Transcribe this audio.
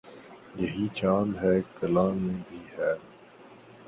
یہی چاند ہے کلاں میں بھی ہے